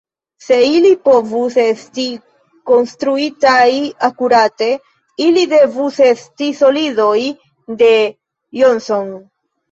Se ili povus esti konstruitaj akurate, ili devus esti "solidoj de Johnson".